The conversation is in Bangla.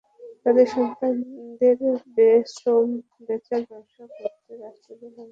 তাঁদের সন্তানদের শ্রম বেচার ব্যবসা করে রাষ্ট্র ডলার আনে বিদেশ থেকে।